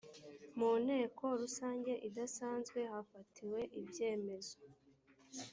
mu nteko rusange idasanzwe hafatiwe ibyemmezo